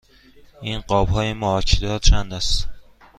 این قاب های مارکدار چند است؟